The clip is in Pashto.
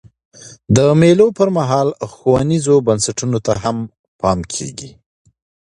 د مېلو پر مهال ښوونیزو بنسټونو ته هم پام کېږي.